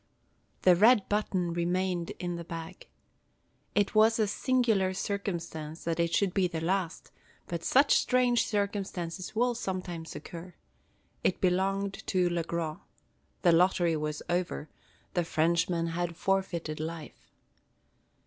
The red button remained in the bag. It was a singular circumstance that it should be the last; but such strange circumstances will sometimes occur. It belonged to Le Gros. The lottery was over; the Frenchman had forfeited life.